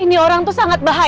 ini orang yang sangat berbahaya